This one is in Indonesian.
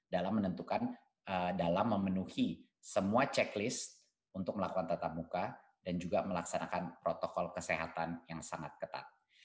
dalam menentukan dalam memenuhi semua checklist untuk melakukan tatap muka dan juga melaksanakan protokol kesehatan yang sangat ketat